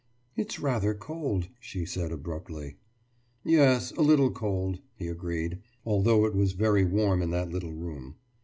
»It's rather cold,« she said abruptly. »Yes, a little cold,« he agreed, although it was very warm in that little room.